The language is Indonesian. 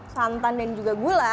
santan dan juga gula